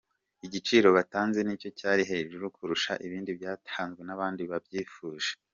Igiciro batanze nicyo cyari hejuru kurusha ibindi byatanzwe n’abandi babyifuje.